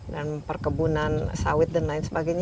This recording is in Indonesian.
dan perkebunan sawit dan lain sebagainya